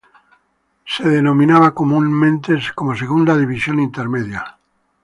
Denominada comúnmente como Segunda División Intermedia.